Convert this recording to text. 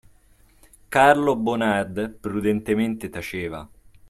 Carlo Bonard prudentemente taceva.